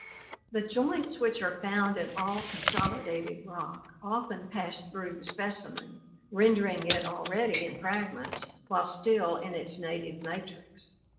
The joints which are found in all consolidated rock often pass through the specimen, rendering it already in fragments while still in its native matrix.